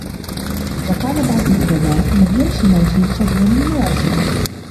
وَقَالَ بَعْضُ الْأُدَبَاءِ لَمْ يَمْشِ مَاشٍ شَرٌّ مِنْ وَاشٍ